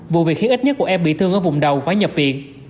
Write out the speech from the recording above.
vụ việc khi ít nhất của em bị thương ở vùng đầu phải nhập biện